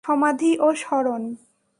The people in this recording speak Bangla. সমাধি ও স্মরণ